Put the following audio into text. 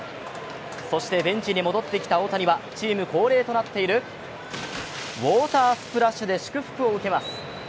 そしてベンチに戻ってきた大谷はチーム恒例となっている、ウォータースプラッシュで祝福を受けます。